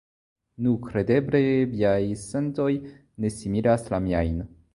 Nu, kredeble viaj sentoj ne similas la miajn.